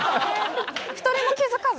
１人も気付かず？